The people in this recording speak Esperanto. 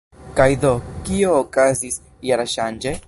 Kaj do, kio okazis jarŝanĝe?